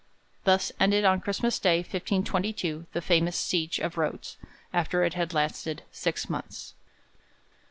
Thus ended on Christmas Day 1522 the famous Siege of Rhodes, after it had lasted six months.